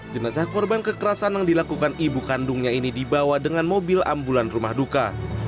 jenazah korban kekerasan yang dilakukan ibu kandungnya ini dibawa dengan mobil ambulan rumah duka